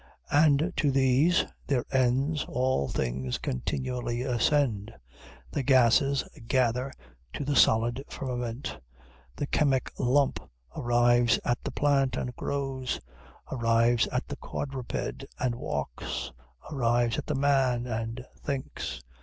And to these, their ends, all things continually ascend. The gases gather to the solid firmament; the chemic lump arrives at the plant, and grows; arrives at the quadruped, and walks; arrives at the man, and thinks.